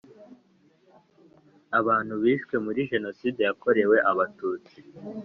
Abantu bishwe muri jenoside yakorewe Abatutsi